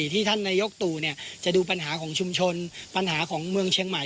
ที่ท่านนายกตู่จะดูปัญหาของชุมชนปัญหาของเมืองเชียงใหม่